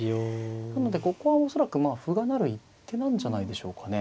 なのでここは恐らくまあ歩が成る一手なんじゃないでしょうかね。